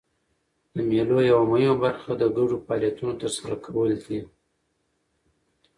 د مېلو یوه مهمه برخه د ګډو فعالیتونو ترسره کول دي.